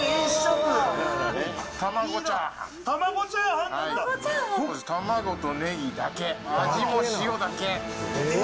具は卵とネギだけ、味も塩だけ。